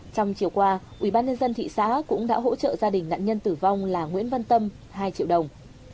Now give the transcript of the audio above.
trong chiều qua ubnd thị xã cũng đã hỗ trợ gia đình nạn nhân tử vong là nguyễn văn tâm hai triệu đồng